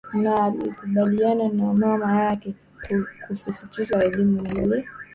Na alikubaliana na mama yake kusitisha elimu yake ili